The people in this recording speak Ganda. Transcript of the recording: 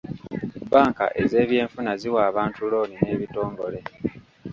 Bbanka ez'ebyenfuna ziwa abantu looni n'ebitongole.